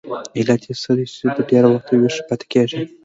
علت یې څه دی چې تر ډېره وخته ویښه پاتې کیږي؟